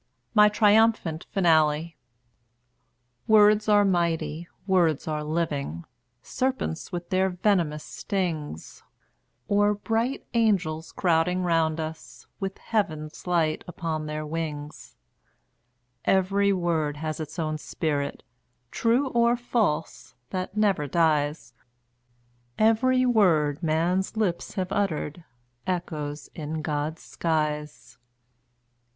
MY TRIUMPHANT FINALE Words are mighty, words are living; Serpents with their venomous stings, Or bright angels crowding round us, With heaven's light upon their wings; Every word has its own spirit, True or false, that never dies; Every word man's lips have uttered Echoes in God's skies.